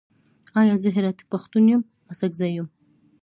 یا، زه هراتۍ پښتون یم، اڅګزی یم.